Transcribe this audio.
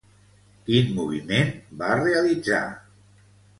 Quin moviment va realitzar?